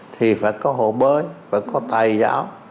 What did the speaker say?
thì phải có hộ bơi phải có tài giáo